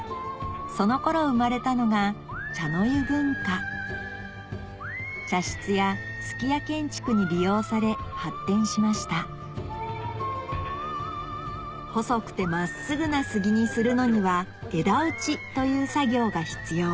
その頃生まれたのが茶の湯文化茶室や数寄屋建築に利用され発展しました細くて真っすぐな杉にするのには枝打ちという作業が必要